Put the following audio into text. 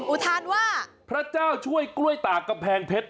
อุทานว่าพระเจ้าช่วยกล้วยตากกำแพงเพชร